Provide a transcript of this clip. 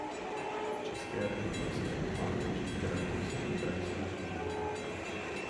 V České republice má každý kraj svoji krajskou knihovnu.